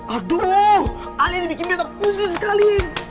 aduh ale ini bikin beto pusing sekali